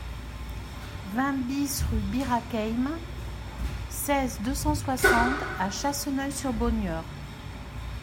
vingt BIS rue Bir'Hakeim, seize, deux cent soixante à Chasseneuil-sur-Bonnieure